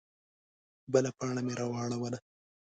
_بله پاڼه مې راواړوله.